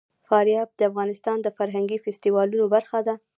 فاریاب د افغانستان د فرهنګي فستیوالونو برخه ده.